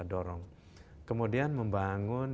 dorong kemudian membangun